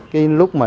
cái lúc mà